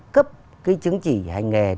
cấp cái chứng chỉ hành nghề